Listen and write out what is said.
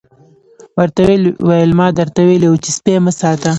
ورته ویې ویل ما درته ویلي وو سپي مه ساتئ.